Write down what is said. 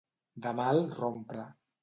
De mal rompre.